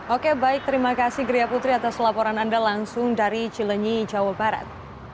oke baik terima kasih gria putri atas laporan anda langsung dari cilenyi jawa barat